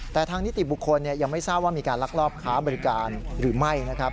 แต่ทางนิติบุคคลยังไม่ทราบว่ามีการลักลอบค้าบริการหรือไม่นะครับ